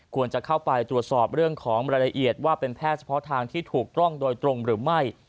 ควรจะเข้าไปตรวจสอบเรื่องของรายละเอียดว่าเป็นแพทย์เฉพาะทางที่ถูกต้องโดยตรงหรือไม่